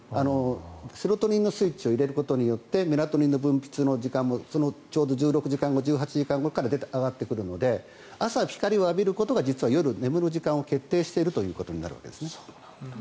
セロトニンのスイッチを入れる時によってメラトニンの分泌する時間もそのちょうど１６時間後１８時間後から上がってくるので朝、光を浴びることが夜眠る時間を決定しているということになるんですね。